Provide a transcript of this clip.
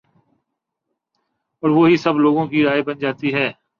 اور وہی سب لوگوں کی رائے بن جاتی